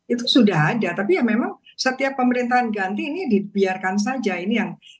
itu sudah ada tapi ya memang setiap pemerintahan ganti ini dibiarkan saja ini yang kita sangat sangat prihatin ya